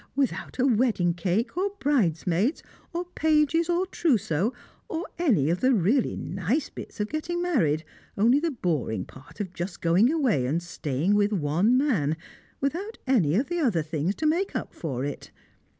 without a wedding cake, or bridesmaids, or pages, or trousseau, or any of the really nice bits of getting married only the boring part of just going away and staying with one man, without any of the other things to make up for it.